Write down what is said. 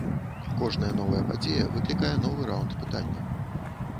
Кожная новая падзея выклікае новы раўнд пытанняў.